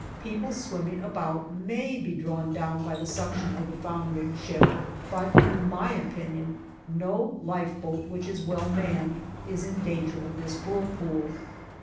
People swimming about may be drawn down by the suction of the foundering ship, but in my opinion no lifeboat which is well manned is in danger of this whirlpool.